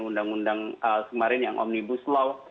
undang undang kemarin yang omnibus law